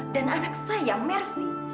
dan anak saya mercy